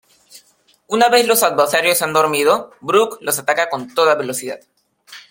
Una vez los adversarios se han dormido, Brook los ataca a toda velocidad.